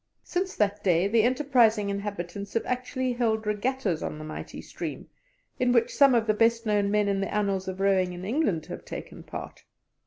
Since that day the enterprising inhabitants have actually held regattas on the mighty stream, in which some of the best known men in the annals of rowing in England have taken part.